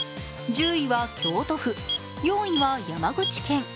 １０位は京都府、４位は山口県。